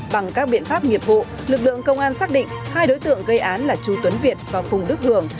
bằng các biện pháp nghiệp vụ lực lượng công an xác định hai đối tượng gây án là chú tuấn việt và phùng đức hường